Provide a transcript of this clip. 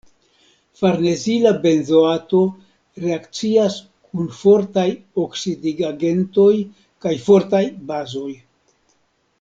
Farnezila benzoato reakcias kun fortaj oksidigagentoj kaj fortaj bazoj.